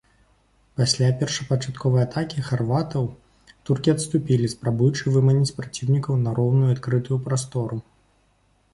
Пасля першапачатковай атакі харватаў, туркі адступілі, спрабуючы выманіць праціўніка на роўную і адкрытую прастору.